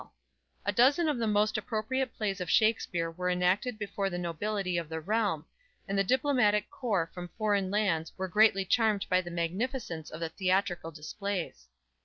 A dozen of the most appropriate plays of Shakspere were enacted before the nobility of the realm; and the diplomatic corps from foreign lands were greatly charmed by the magnificence of the theatrical displays.